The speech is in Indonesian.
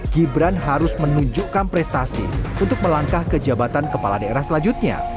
gibran harus menunjukkan prestasi untuk melangkah ke jabatan kepala daerah selanjutnya